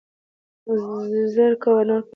زر کوه نورګله نوم يې راته واخله.